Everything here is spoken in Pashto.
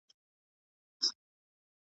زور خو زور وي، خو چم کول هم له زوره کم نه وي `